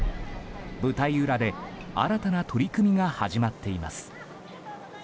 舞台裏で新たな取り組みが始まっています。